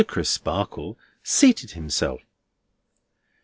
Crisparkle seated himself. Mr.